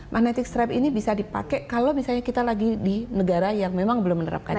magnetic stripe ini bisa dipakai kalau misalnya kita lagi di negara yang memang belum menerapkan